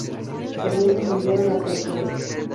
O bien prosiguieron hacia el sudeste.